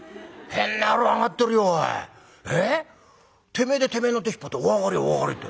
てめえでてめえの手引っ張って『お上がりお上がり』って。